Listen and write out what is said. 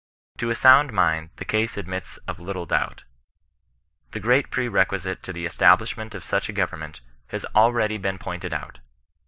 To a sound mind the case admits of little doubt. The great pre requisite to the establishment of such a government has already been pointed out.